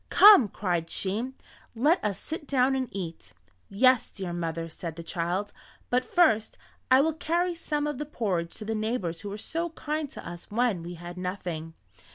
"Come," cried she, "let us sit down and eat." "Yes, dear mother," said the child, "but first I will carry some of the porridge to the neighbors who were so kind to us when we had nothing."